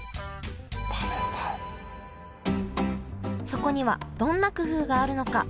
そこにはどんな工夫があるのか？